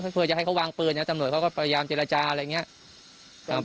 เพื่อจะให้เขาวางปืนตำรวจเขาก็พยายามเจรจาอะไรอย่างนี้